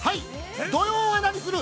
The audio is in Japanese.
◆「土曜はナニする！？」